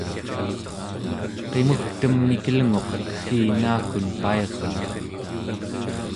qimugtem mikelnguq kegginaakun pairaa